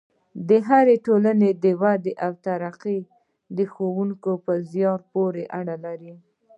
د هرې ټولنې وده او ترقي د ښوونکو په زیار پورې اړه لري.